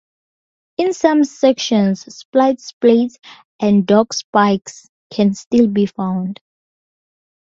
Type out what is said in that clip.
In some sections splice plates and dog spikes can still be found.